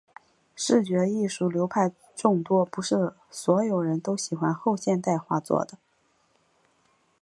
视觉艺术流派众多，不是所有人都喜欢后现代画作的。